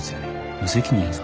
無責任やぞ。